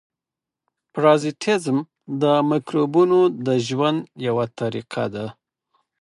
پرازیتېزم د مکروبونو د ژوند یوه طریقه ده.